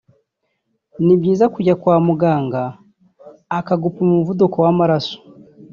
ni byiza kujya kwa muganga akagupima umuvuduko w’amaraso